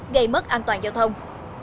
gây mất an toàn giao thông